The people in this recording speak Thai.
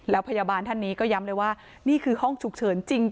แล้วพยาบาลท่านนี้ก็ย้ำเลยว่านี่คือห้องฉุกเฉินจริง